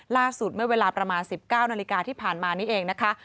เมื่อเวลาประมาณ๑๙นาฬิกาที่ผ่านมานี้เองนะคะ